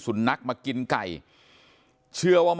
สวัสดีครับ